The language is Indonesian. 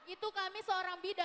itu kami seorang bidan